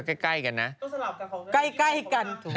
ต้องสลับกันของเนื้อ๖๒๖๒นะครับใกล้กัน